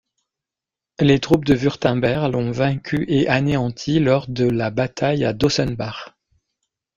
Les troupes de Württemberg l'ont vaincue et anéantie, lors de la bataille à Dossenbach.